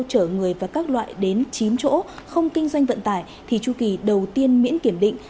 chở người và các loại đến chín chỗ không kinh doanh vận tải thì chu kỳ đầu tiên miễn kiểm định